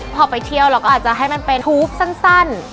พอไปเที่ยวเราก็อาจจะให้มันเป็นฮูปสั้น